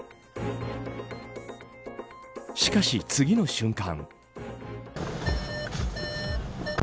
しかし、次の瞬間。